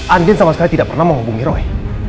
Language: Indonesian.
andin sama sekali tidak pernah menghubungi roy